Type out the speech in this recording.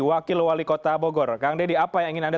wakil wali kota bogor kang deddy apa yang ingin anda